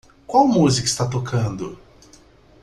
Qual música está tocando?